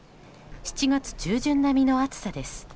７月中旬並みの暑さです。